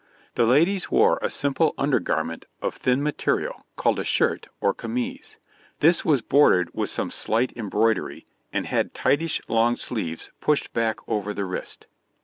The ladies wore a simple undergarment of thin material called a sherte or camise; this was bordered with some slight embroidery, and had tightish long sleeves pushed back over the wrist.